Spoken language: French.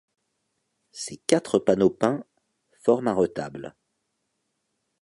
Ces quatre panneaux peints forment un retable.